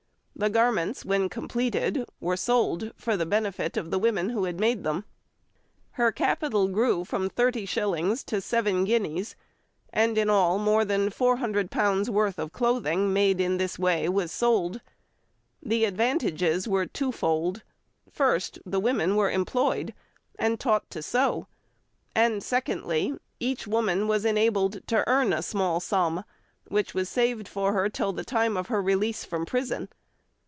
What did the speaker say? The garments, when completed, were sold for the benefit of the women who had made them. Her capital grew from thirty shillings to seven guineas, and in all more than £400 worth of clothing, made in this way, was sold. The advantages were twofold. First, the women were employed and taught to sew, and secondly, each woman was enabled to earn a small sum, which was saved for her till the time of her release from prison.